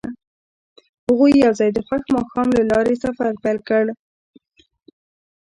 هغوی یوځای د خوښ ماښام له لارې سفر پیل کړ.